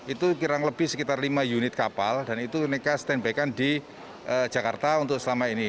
itu kira kira lebih sekitar lima unit kapal dan itu mereka standbykan di jakarta untuk selama ini